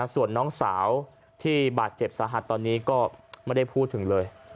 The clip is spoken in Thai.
ส่วนน้องสาวที่บาดเจ็บสาหัสตอนนี้ก็ไม่ได้พูดถึงเลย